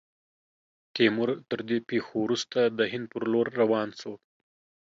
تیمور، تر دې پیښو وروسته، د هند پر لور روان سو.